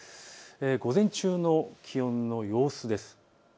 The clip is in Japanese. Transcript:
午前中の気温の様子です。